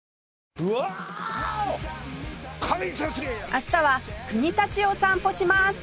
明日は国立を散歩します